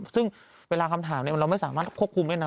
ซึ่งเวลาคำถามเราไม่สามารถควบคุมได้นะ